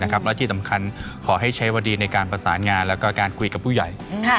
และที่สำคัญขอให้ใช้วดีในการประสานงานแล้วก็การคุยกับผู้ใหญ่